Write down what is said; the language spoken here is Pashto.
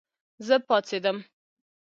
زه پاڅېدم